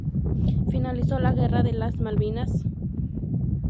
Finalizó la guerra de las Malvinas.